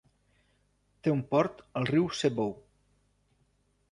Té un port al riu Sebou.